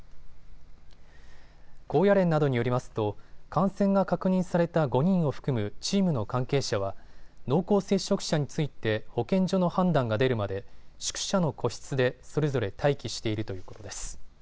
高野連などによりますと感染が確認された５人を含むチームの関係者は濃厚接触者について保健所の判断が出るまで宿舎の個室でそれぞれ待機しているということです。